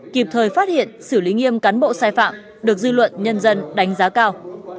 kịp thời phát hiện xử lý nghiêm cán bộ sai phạm được dư luận nhân dân đánh giá cao